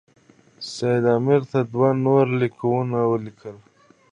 سید امیر ته دوه نور لیکونه ولیکل.